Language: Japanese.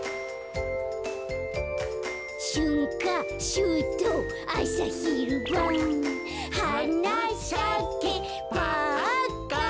「しゅんかしゅうとうあさひるばん」「はなさけパッカン」